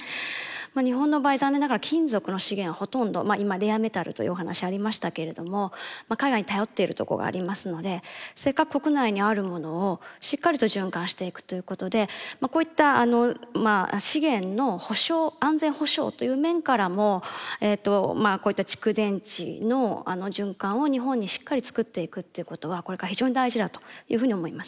まあ日本の場合残念ながら金属の資源はほとんど今レアメタルというお話ありましたけれども海外に頼ってるとこがありますのでせっかく国内にあるものをしっかりと循環していくということでこういった資源の保障安全保障という面からもこういった蓄電池の循環を日本にしっかり作っていくっていうことはこれから非常に大事だというふうに思います。